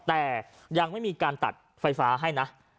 แต่ยังไม่มีการตัดไฟฟ้าให้นะ